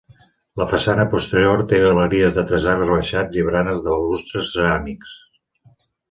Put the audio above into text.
La façana posterior té galeries de tres arcs rebaixats i baranes de balustres ceràmics.